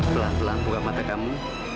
pelan pelan buka mata kamu